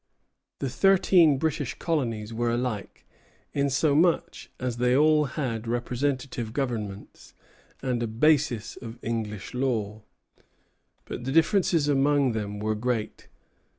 The thirteen British colonies were alike, insomuch as they all had representative governments, and a basis of English law. But the differences among them were great.